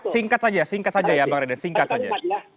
singkat singkat saja ya bang reden singkat saja